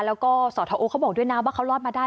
แล้วก็สทโอเขาบอกด้วยนะว่าเขารอดมาได้